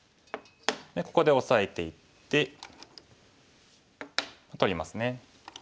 ここでオサえていって取りますね。